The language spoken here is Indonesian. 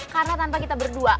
karena tanpa kita berdua